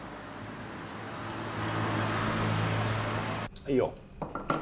はいよ。